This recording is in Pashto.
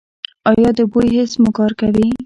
ایا د بوی حس مو کار کوي؟